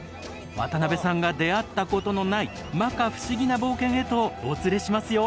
渡辺さんが出会ったことのない摩訶不思議な冒険へとお連れしますよ。